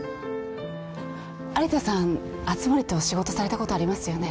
有田さん熱護と仕事されたことありますよね？